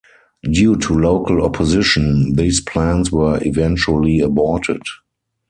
Due to local opposition, these plans were eventually aborted.